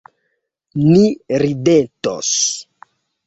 Ni ridetos.